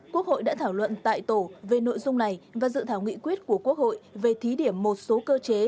quốc hội đã thảo luận tại tổ về nội dung này và dự thảo nghị quyết của quốc hội về thí điểm một số cơ chế